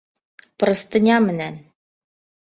Простыня менән.